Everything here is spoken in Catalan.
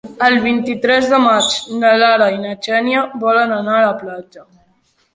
El vint-i-tres de maig na Lara i na Xènia volen anar a la platja.